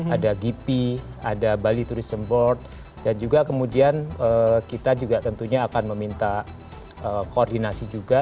ada gipi ada bali tourism board dan juga kemudian kita juga tentunya akan meminta koordinasi juga